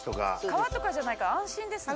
川とかじゃないから安心ですね。